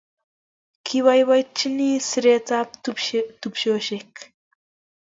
Kibaibaitynchini siret ab tupcheshek